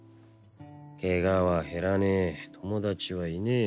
ケガは減らねえ友達はいねえ